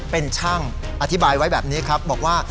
เป็นช่างอธิบายไว้แบบนี้ครับบอกว่า